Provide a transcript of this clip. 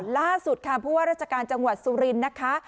ล่าสุดคำเพราะว่าราชการจังหวัดสุรินนะคะ